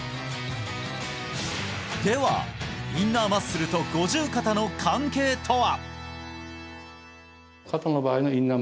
ではインナーマッスルと五十肩の関係とは？